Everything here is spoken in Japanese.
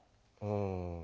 うん。